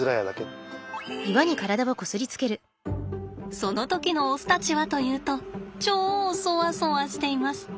その時のオスたちはというと超そわそわしています。